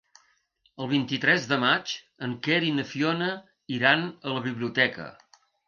El vint-i-tres de maig en Quer i na Fiona iran a la biblioteca.